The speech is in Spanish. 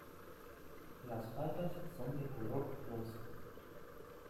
Las patas son de color rosa.